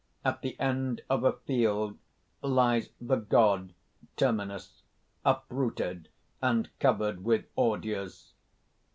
_ _At the end of a field lies the god Terminus, uprooted, and covered with ordures.